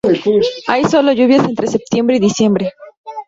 Hay sólo lluvias entre septiembre y diciembre.